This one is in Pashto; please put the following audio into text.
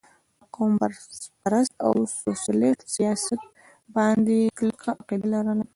د قوم پرست او سوشلسټ سياست باندې کلکه عقيده لرله